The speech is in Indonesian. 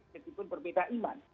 meskipun berbeda iman